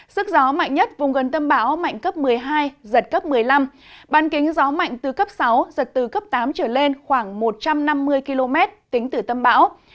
sức gió mạnh nhất vùng gần tâm bão mạnh cấp một mươi hai giật cấp một mươi năm ban kính gió mạnh từ cấp sáu giật từ cấp tám trở lên khoảng một trăm năm mươi km tính từ tâm bão